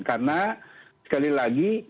karena sekali lagi